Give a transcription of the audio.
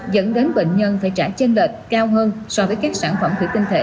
dẫn đến bệnh nhân phải trả trên lệch cao hơn so với các sản phẩm thủy tinh thể